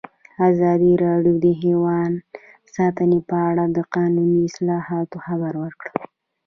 ازادي راډیو د حیوان ساتنه په اړه د قانوني اصلاحاتو خبر ورکړی.